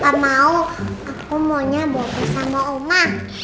pak mau aku maunya bawa bawa sama oma